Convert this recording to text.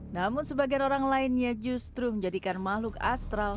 namun sebagian orang lainnya justru menjadikan makhluk astral